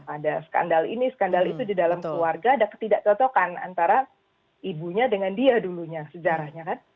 ada skandal ini skandal itu di dalam keluarga ada ketidakcocokan antara ibunya dengan dia dulunya sejarahnya kan